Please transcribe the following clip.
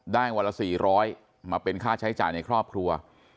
วันละ๔๐๐มาเป็นค่าใช้จ่ายในครอบครัว